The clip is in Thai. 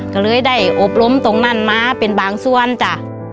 ก็เลยได้อบรมตรงนั้นมาเป็นบางส่วนจ้ะ